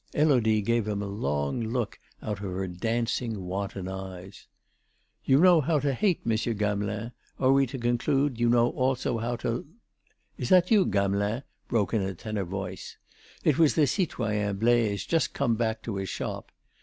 Élodie gave him a long look out of her dancing, wanton eyes. "You know how to hate, Monsieur Gamelin, are we to conclude you know also how to lo...?" "Is that you, Gamelin?" broke in a tenor voice; it was the citoyen Blaise just come back to his shop.